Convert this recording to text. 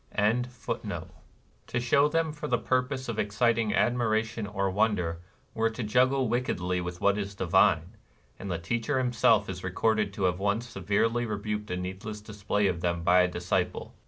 NIRVANA 255 To show them for the purpose of exciting admiration or wonder were to juggle wick edly with what is divine; and the Teacher himself is recorded to have once severely rebuked a needless display of them by a dis ciple.